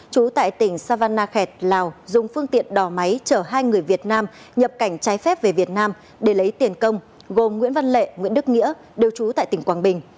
chú tại tỉnh savanna khẹt lào dùng phương tiện đỏ máy chở hai người việt nam nhập cảnh trái phép về việt nam để lấy tiền công gồm nguyễn văn lệ nguyễn đức nghĩa đều trú tại tỉnh quảng bình